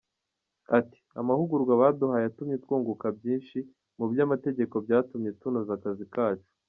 Ati “Amahugurwa baduhaye yatumye twunguka byishi mu by’amategeko byatumye tunoza akazi kacu.